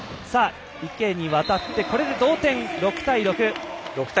池にわたって、これが同点６対６。